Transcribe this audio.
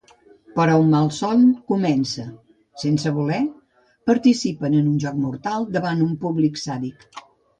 Però un malson comença: sense voler, participen en un joc mortal davant un públic sàdic.